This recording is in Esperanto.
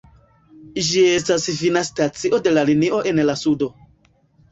Ĝi estas fina stacio de la linio en la sudo.